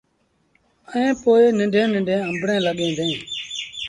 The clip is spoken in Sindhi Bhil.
ائيٚݩ پو ننڍيٚݩ ننڍيٚݩ آݩبڙيٚن لڳيٚن ديٚݩ۔